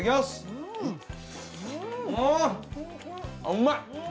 うまい！